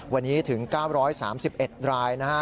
วันนี้ถึง๙๓๑ดราย